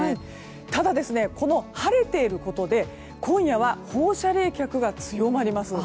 ただ、晴れていることで今夜は放射冷却が強まります。